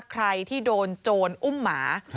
ใครที่โดนโจรอุ้มหมา